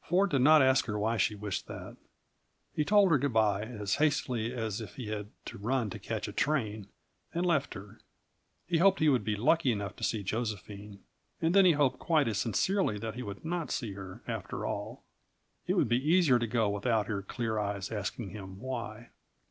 Ford did not ask her why she wished that. He told her good by as hastily as if he had to run to catch a train, and left her. He hoped he would be lucky enough to see Josephine and then he hoped quite as sincerely that he would not see her, after all. It would be easier to go without her clear eyes asking him why.